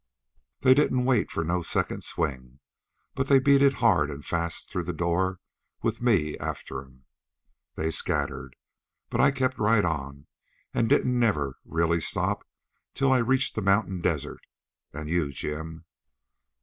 They didn't wait for no second swing, but they beat it hard and fast through the door with me after 'em. They scattered, but I kept right on and didn't never really stop till I reached the mountain desert and you, Jim."